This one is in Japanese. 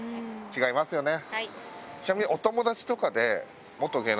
違いますよね。